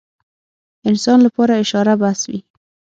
انسان لپاره اشاره بس وي.